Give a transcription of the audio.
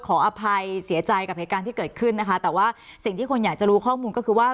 ขออภัยเสียใจกับเหตุการณ์ที่เกิดขึ้นนะคะแต่ว่าสิ่งที่คนอยากจะรู้ข้อมูลก็คือว่า